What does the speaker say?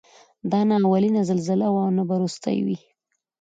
دا نه اولینه زلزله وه او نه به وروستۍ وي.